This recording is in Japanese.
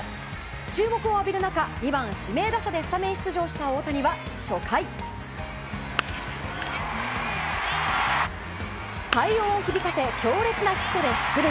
注目を浴びる中２番指名打者で出場した大谷は初回、快音を響かせ強烈なヒットで出塁。